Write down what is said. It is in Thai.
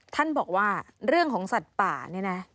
ท่านบอกว่าเรื่องของสัตว์ป่าเนี่ยนะ